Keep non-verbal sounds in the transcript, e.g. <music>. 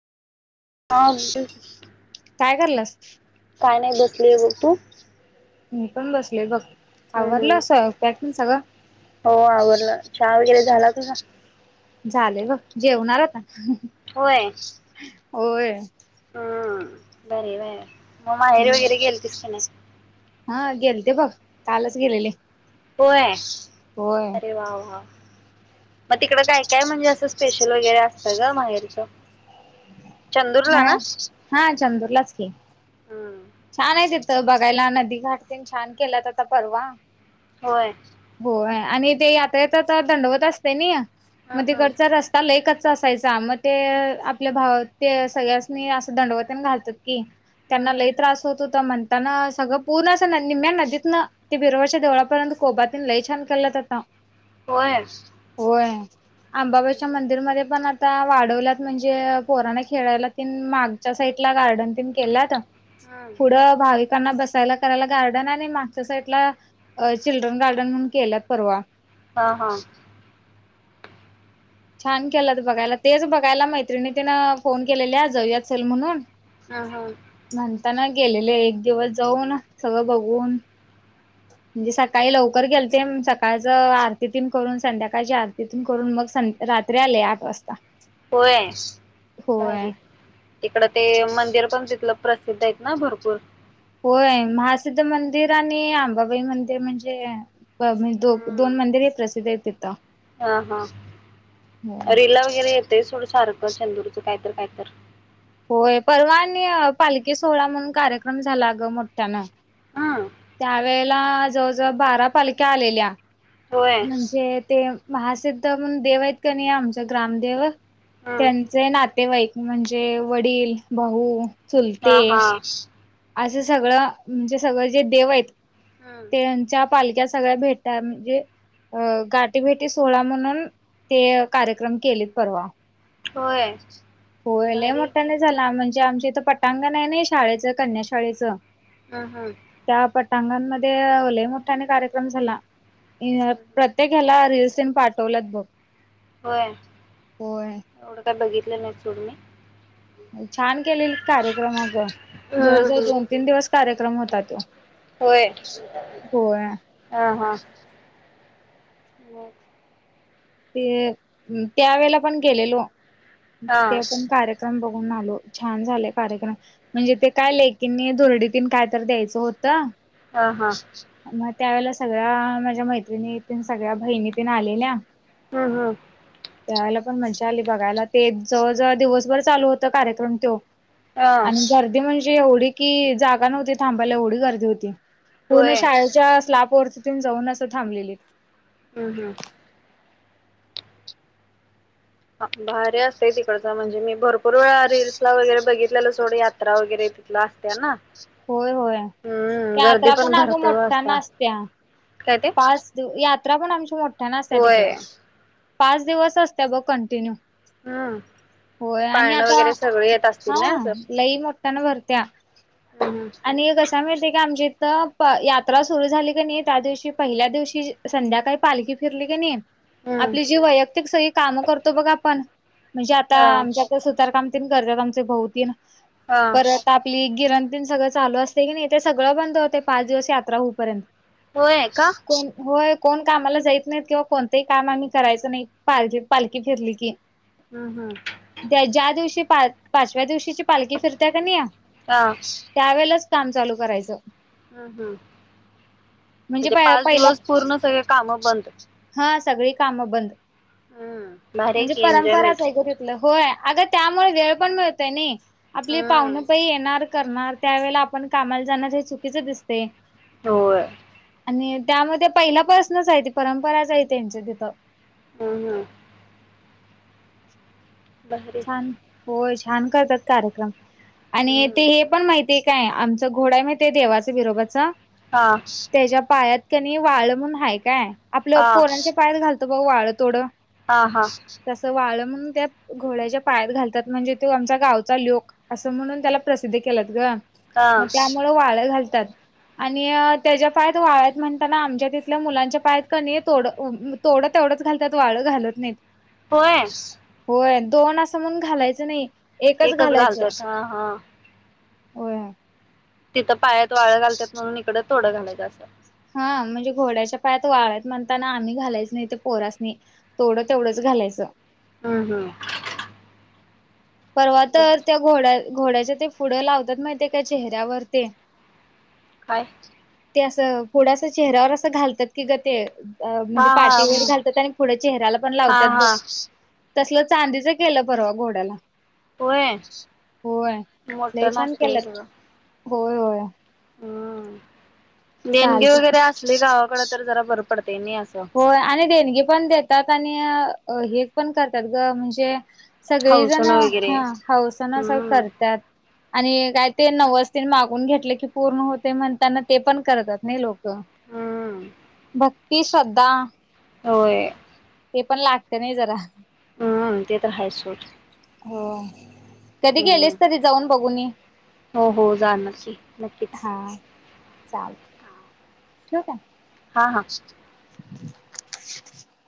हा बोला की काय करालास काय नाही बसलीय बघ तू मी पण बसले बघ हम्म आवरलं हम् स्वयंपाक तेन सगळं? हो आवरलं चहा वगैरे झाला तुझा झाले ब जेवणार आता होय होय हम्म बर बर मग माहेरी वगैरे गेलीतस का नाय हा गेलते बघ कालच गेलेले होय होय. अरे वा वा मग तिकडं काय काय म्हणजे असं स्पेशल वगैरे असतं ग माहेरीच हा हा चंदुरलाज की हम्म छान आहे तिथं बघायला नदी घाट छान केलात आता परवा होय होय आणि ते यात्रेचा तर दंडवत असते ना हम्म मग हम्म तिकडचा रस्ता लय कच च्चा असायचा मग ते आपल्या भाव ते सगळ्याचनी असं दंडवत ते घालतेत कि हम्म त्यांना हम्म लय त्रस होत होता म्हणताना सगळं पूर्ण अस निम्म्या नदीतन ते बिरोबाच्या देवळापर्यंत कोबा तेन ल छान केल्यात आता होय. होय आंबाबाईच्या हम्म मंदिर मध्ये पण आत ता वाढवल्यात म्हणजे पोराणं खेळायला तीन मागच्या साईडला गार्डन तेन केल्यात हा पुढं भाविकांना बस यला करायला गार्डन आणि मागच्या साईडला चिल्ड्रन गार्डन म्हणून केलेत परवा हा हा छान केलंत बघायला तेच बघायला मैत्रिणी तिनं फोन केलेले जाऊयात चल म्हणून हम हम आता ना गेलेले एक दिवस जाऊन सगळं बघून म्हणजे सकाळी लवकर गेलते सकाळच आरतीतेन करून संध्याकाळच्या आरतीतेन करून मग संध रा रात्री आले आठ वाजता होय होय भारी तिकडं ते मंदिर पण तिथलं प्रसिद्ध आहे ना भरपूर होय महासिद्ध मंदिर आणि अंबाबाई मंदिर म्हणजे म्हणे दो दोन हम्म मंदिर हे प्रसिद्ध आहेत तिथं हा हा हो रिला वगैरे येतय थोडं सार चंदूरचं कायत कायत होय परवा आणि पालखी सोहळा म्हणून कार्यक्रम झाला अगं मोठ्यानं हा त्यावेेळेला जवळ जवळ बारा पालख्या आलेल्या होय म्हणजे ते महासिद्ध म्हण देव आहेत का नाही आमचा ग्रामदेव हम्म. त्यांचे नात तेवाईक म्हणजे वडील भाऊ हा चुलते हा असं सगळं म्हणजे सगळं जे देव आहेत हम्म. त्यांच्या पालक्या सगळ्या भेटत म्हणजे अं गाठीीभेटी सोहळा म्हणून ते कार्यक्रम केलेत परवा होय होयला भारी आहे मोठा की नाही झाला म्हणजे आमच्या त पटांगण आहे ना शाळेचं कन्या शाळेचं हां हां. <unintelligible> लय मोठ्याने कार्यक्रम झाला प्रत्येक याला रिल्स तिनं पाठवल्यात बघ. होय होय एवढं काय बघितलं नाही. <unintelligible> मी छान केलेली कार्यक्रम आग जवळ हम्म, जवळ हम्म. दोन तीन दिवस कार्यक्रम होता त्यो. होय हां हां. मग. ते त्यावेेळेला पण गेलेलो, हा ते पण कार्यक्रम बघ घून आलो छान झाले कार्यक्रम म्हंजे ते काय लेकीं नी धुरडीत काय तर द्यायचं हो त हा हा म त्यावेेळेला सगळ्या माझ्या मैत्रिणी ते सगळ्या भहिणी तेन आलेल्या. हां हां. त्या वेळेला पण मज्जा आली बघायला ते जवळजवळ दिवसभर चालू होत कार्यक्रम त्यो हा आणि गर्दी म्हणजे एवढी कि जागा नव्हती थांबायला एवढी गर्दी होती. पूर्ण होय शाळेच्या स्लाप वरती तून जाऊन असं थांबलेली. हम्म हम्म. भारी असते तिकडचं म्हंजे मी भरपूर वेळा रील्स ला वगैरे बघित आपल्याला सोड यात्रा वगैरे तिथला असते ना. होय होय हम्म गर्दी यात्रा पण आग भरपूर मोठठ्या असत्या ना आसत्या. काय ते पाच दिव यात्रा पण आमची मोठ्या न असतं तिकडं. होय पाच दिवस असते बघ कंटिन्यू. हम्म. होय आणि पाळणं आता वगैरे सगळे येत असतील हां ना असं लई मोठ्ठया न भरत्या. हम्म आणि एक अस काय माहिती का आमच्या इथं प यात्र सुरु झाली की नी, त्या दिवशी पहिल्या दिवशी संध्याकाळी पालखी तू फिरली की नई? आपली जी हम्म वैयक्तिक सगइ कामं करतो बघ आपण, म्हणजे आता अ आमच्या कड सुतारकामं तीन करतात आमचे भाऊ तीन अ परत, आपली गिरण तेन चालू असते की नाही ते सगळं बंद होते, पाच दिवस यात्रा होऊ पर्यंत होय का कोण? होय. कोण कामाला जाईत नाहीत किंवा कोणतही काम आम्ही करायचं नाही पालखी पालखी फिरली की. हम्म हम्म त्या ज्या दिवशी पा पाचव्या दिवशीची पालखी फिरत्या क नाई हा. त्यावेळेलाच काम चालू करायचं. हम्म हम्म म्हणजे म्हणजे पाच पहिला दिवस पूर्ण सगळे काम बंद. हा सगळी कामं बंद. हम्म. भारी आहे म्हणजे की एन्जॉयमेंट परंपराच आहे ग तिथलं होय आगं त्यामुळं वेळ पण मिळतंय नी. आपली हम्म पाहुन पै येणार करणार त्यावेेळेला आपण कामाला जाणार हे चुकीच दिसतें. होय. आणि त्यामध्ये पहिलापासनच आहे ते परंपराच आहे त्यांच तिथं हम्म हम्म. भारी छान होय छान करतात कार्यक्रम आणि ते हम्म हे पण माहिती आहे? काय आमचा घोडा आहे माहित देवाचा बिरोबाचा हा त्याच्या पायात त्यानी वाळ म्हणून हाय काय आपलं हा पोरांच्या पायात घालतं बघ वाळ तोडं हा हा तसं वाळ म्हणून त्या घोड्याच्या पायात घालतात म्हणजे तो आमचा गावचा ल्योक असं म्हणून त्याला प्रसिद्ध केलात ग. हा मग त्यामुळ वाळ घालतात. आणि अ त्याच्या पायात वाळ्यात म्हणताना आमच्या तिथल्या मुलांच्या पायात क नी तोड अ तोड तेवढं घालतात वाळे घालत नाही होय होय दोन असं म्हणून घालायचं नाही एकच घालायचं घालतात हा हा होय तिथं पायात वाळ घालतात मग इकडं थोडं घालायचं असं हा म्हणजे घोड्याच्या पायात वाळत म्हणताना आम्ही घालायच नाही ते पोरासनी तौड तेवढंच घालायचं हम्म हम् परवा तर त्या घोड्या घोड्याच्या ते पुढं लावतात माहिती त्या का चेहऱ्यावर ते काय ते असं थोडस चेहऱ्यावर असं घालतात की ग ते अ म्हणजे हा पाठी वर हा घालतात आणि पुढे चेहरा्याला पण हा लावतात हा बघ तसलं चांदीच केलं परवा घोड्याला होय होय मोठं लई छान नसतय केलंत सगळं होय होय हम्म देणगी चालत. वगैरे असले गावाकडे तर जरा बर पडत होय आणि देणगी पण देतात आणि हे पण करतात ग म्हणजे सगळी हौसन जणे वगैरे हौसना अस हम्म करतात आणि काय ते नवसते मागून घेतले की पूर्ण होते म्हणताना ते पण करतात नाही लोक हम्म भक्ती श्रद्धा होय ते पण लागते नाही जरा हम ते तर हाय सोड हो कधी हम्म गेलेस तरी जाऊन बघुन ये हो हो जाणार की नक्कीच चालते ठठीक आहे हा हा <unintelligible>